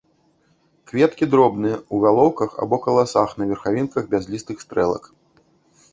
Кветкі дробныя, у галоўках або каласах на верхавінках бязлістых стрэлак.